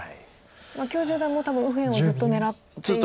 許十段も多分右辺をずっと狙って。